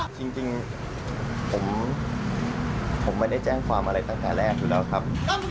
จริงผมไม่ได้แจ้งความอะไรตั้งแต่แรกอยู่แล้วครับ